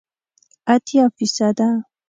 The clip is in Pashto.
اتیا فیصده